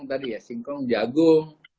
tadi ya singkong jagung